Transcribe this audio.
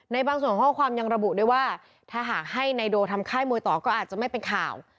บางส่วนข้อความยังระบุด้วยว่าถ้าหากให้นายโดทำค่ายมวยต่อก็อาจจะไม่เป็นข่าว